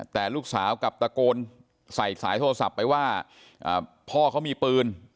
แต่ลูกสาวกลับตะโกนใส่สายโทรศัพท์ไปว่าพ่อเขามีปืน